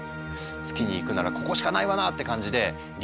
「月に行くならここしかないわな！」って感じでリ